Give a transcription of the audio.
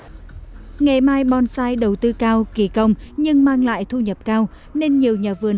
tại vì bonsai đầu tư cao kỳ công nhưng mang lại thu nhập cao nên nhiều nhà vườn